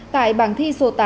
tại bảng thi số tám